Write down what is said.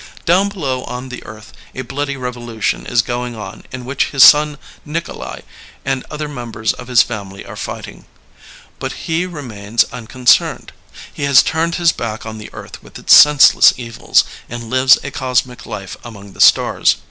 Down below on the earth a bloody revolution is going on in which his son Nikolay and other members of his family are fighting. But he remains unconcerned. He has turned his back on the earth with its senseless evils, and lives a cosmic life among the stars.